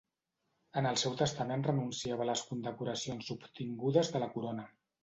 En el seu testament renunciava a les condecoracions obtingudes de la corona.